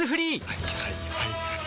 はいはいはいはい。